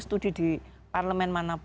studi di parlemen mana pun